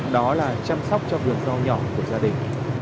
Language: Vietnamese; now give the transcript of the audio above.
đó là chăm sóc cho vườn rau nhỏ của gia đình